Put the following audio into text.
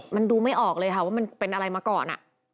มันดูไม่ออกเลยค่ะว่ามันเป็นอะไรมาก่อน